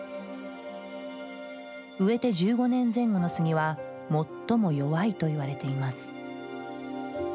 植えて１５年前後の杉は最も弱いといわれています。